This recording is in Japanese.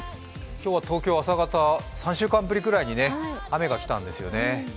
今日は東京朝方、３週間ぶりぐらいに雨がきたんですよね。